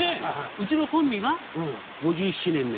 うちのコンビが５７年目。